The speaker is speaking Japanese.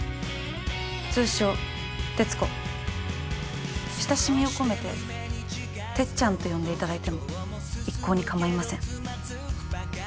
通称鉄子親しみを込めて鉄ちゃんと呼んでいただいても一向にかまいません